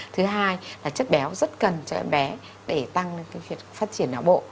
thứ hai là chất béo rất cần cho em bé để tăng phát triển nào bộ